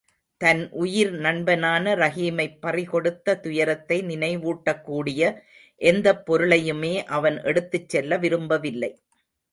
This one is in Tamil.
தன் உயிர் நண்பனான ரஹீமைப் பறிகொடுத்த துயரத்தை நினைவூட்டக்கூடிய எந்தப் பொருளையுமே அவன் எடுத்துச் செல்ல விரும்பவில்லை.